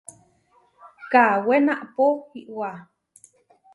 Kawé naʼpó iʼwá.